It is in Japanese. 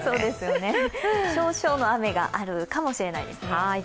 少々の雨があるかもしれないですね。